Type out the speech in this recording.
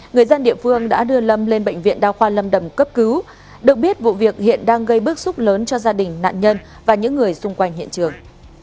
người dân địa phương đã đưa lâm lên bệnh viện đa khoa lâm đồng cấp cứu được biết vụ việc hiện đang gây bức xúc lớn cho gia đình nạn nhân và những người xung quanh hiện trường